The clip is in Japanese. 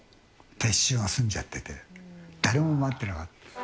撤収が済んじゃってて、誰も待ってなかった。